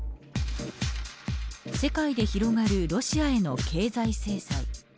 世界で広がるロシアへの経済制裁。